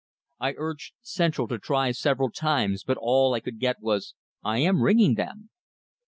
I urged "central" to try several times, but all I could get was, "I am ringing them."